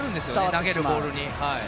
投げるボールに。